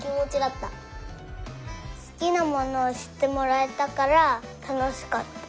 すきなものをしってもらえたからたのしかった。